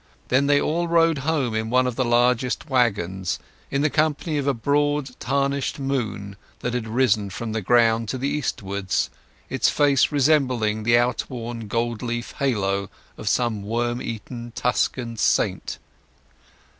Then they all rode home in one of the largest wagons, in the company of a broad tarnished moon that had risen from the ground to the eastwards, its face resembling the outworn gold leaf halo of some worm eaten Tuscan saint.